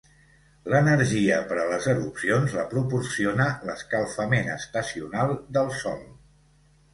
L'energia per a les erupcions la proporciona l'escalfament estacional del Sol.